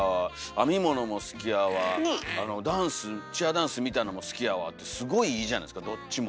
編み物も好きやわダンスチアダンスみたいのも好きやわってすごいいいじゃないですかどっちも。